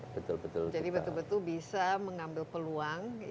jadi betul betul bisa mengambil peluang